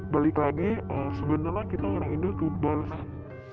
balik lagi sebenarnya kita orang indonesia tuh balesan